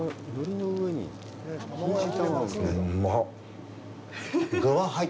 うまっ！